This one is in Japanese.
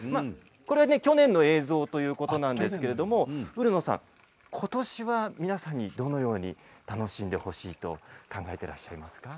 これは去年の映像ということなんですけども宇留野さんことしは皆さんにどのように楽しんでほしいと考えてらっしゃいますか？